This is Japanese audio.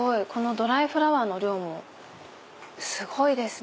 ドライフラワーの量もすごいですね。